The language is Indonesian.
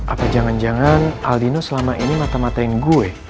apa jangan dua aldino selama ini mata dua in gue